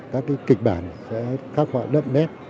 các kịch bản sẽ khắc họa đậm nét